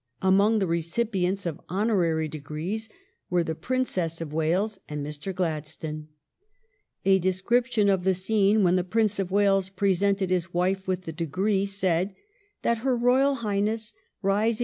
Among the recipients of honorary degrees were the Prin cess of Wales and Mr. Gladstone. A description of the scene when the Prince of Wales presented his wife with the degree said that " Her Royal Highness, rising